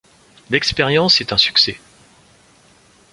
L’expérience est un succès.